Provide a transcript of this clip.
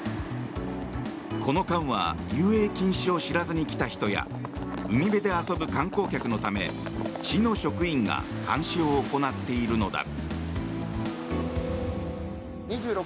この間は遊泳禁止を知らずに来た人や海辺で遊ぶ観光客のため市の職員が監視を行っているのだ。